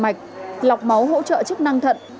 chống sốc vận mạch lọc máu hỗ trợ chức năng thận